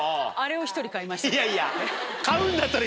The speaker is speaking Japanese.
いやいや。